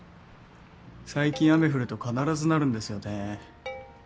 最近雨降ると必ずなるんですよね。